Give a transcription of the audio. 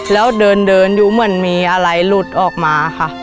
แล้วเดินอยู่เหมือนมีอะไรหลุดออกมาค่ะ